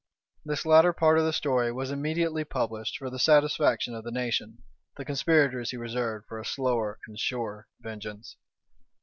This latter part of the story was immediately published for the satisfaction of the nation: the conspirators he reserved for a slower and surer vengeance.